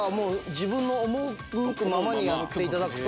自分の赴くままにやっていただくと。